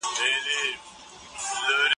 پلار به خپله شمله تاو کړه